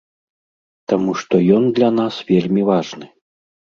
Таму што ён для нас вельмі важны.